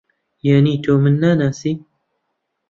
یانی تۆ من ناناسی؟